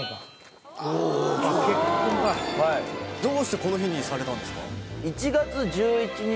どうしてこの日にされたんですか？